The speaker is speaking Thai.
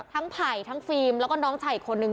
ไผ่ทั้งฟิล์มแล้วก็น้องชายอีกคนนึง